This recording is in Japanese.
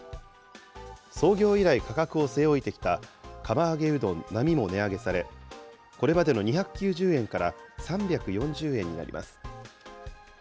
創業以来、価格を据え置いてきた釜揚げうどん・並も値上げされ、これまでの２９０円から３４０円になります。